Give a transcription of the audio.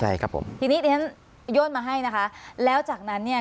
ใช่ครับผมทีนี้เดี๋ยวฉันโย่นมาให้นะคะแล้วจากนั้นเนี่ย